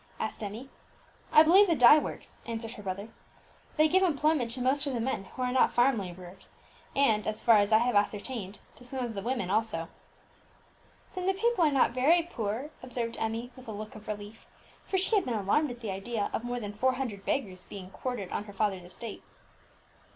asked Emmie. "I believe the dye works," answered her brother. "They give employment to most of the men who are not farm labourers, and, as far as I have ascertained, to some of the women also." "Then the people are not very poor," observed Emmie, with a look of relief; for she had been alarmed at the idea of more than four hundred beggars being quartered on her father's estate.